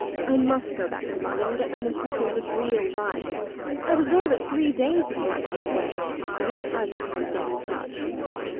I must go back to London and get some impressions of real life. I was there but three days before I came away, and that's hardly time to get in touch."